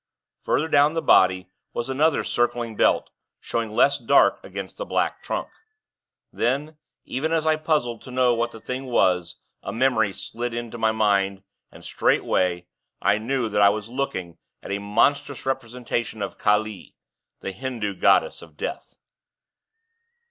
Further down the body was another circling belt, showing less dark against the black trunk. Then, even as I puzzled to know what the thing was, a memory slid into my mind, and straightway, I knew that I was looking at a monstrous representation of Kali, the Hindu goddess of death.